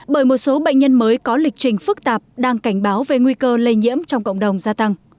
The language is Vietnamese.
bởi một số bệnh nhân mới có lịch trình phức tạp đang cảnh báo về nguy cơ lây nhiễm trong cộng đồng gia tăng